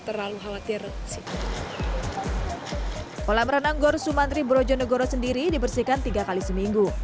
terlalu khawatir sih kolam renang gor sumantri brojonegoro sendiri dibersihkan tiga kali seminggu